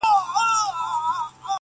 نوي نوي تختې غواړي کنې یاره